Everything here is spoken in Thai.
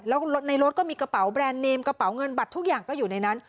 แล้วในรถก็มีกระเป๋าแบรนด์เนมกระเป๋าเงินบัตรทุกอย่างก็อยู่ในนั้น